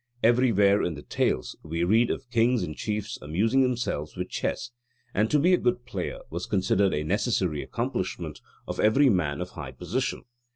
Everywhere in the Tales we read of kings and chiefs amusing themselves with chess, and to be a good player was considered a necessary accomplishment of every man of high position.